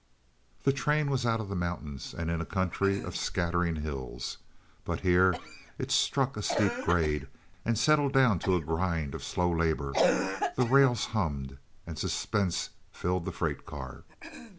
The train was out of the mountains and in a country of scattering hills, but here it struck a steep grade and settled down to a grind of slow labor; the rails hummed, and suspense filled the freight car.